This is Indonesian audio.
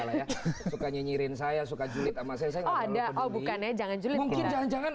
salah ya suka nyinyirin saya suka julid sama saya ada oh bukan ya jangan juga mungkin jangan jangan